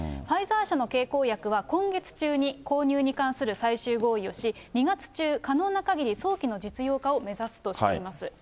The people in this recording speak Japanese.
ファイザー社の経口薬は、今月中に購入に関する最終合意をし、２月中、可能なかぎり早期の実用化を目指すとしています。